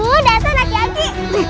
udah senang ya anci